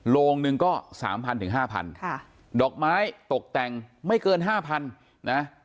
โรงนึงก็๓๐๐๐๕๐๐๐บาทดอกไม้ตกแต่งไม่เกิน๕๐๐๐บาท